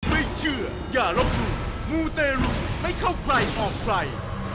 ไม่เชื่ออย่าลบลูกมูตร์เตรียมให้เข้าใกล้ออกไฟ